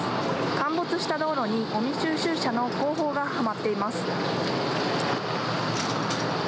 陥没した道路に、ごみ収集車の後方がはまっています。